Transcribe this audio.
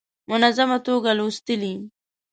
منظمه توګه لوستلې.